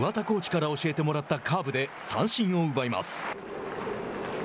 コーチから教えてもらったカーブで三振を奪います。